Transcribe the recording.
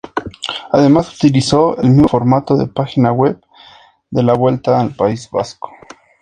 Además, utilizó el mismo formato de página web de la Vuelta al País Vasco.